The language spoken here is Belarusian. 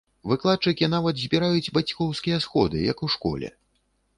Выкладчыкі нават збіраюць бацькоўскія сходы, як у школе!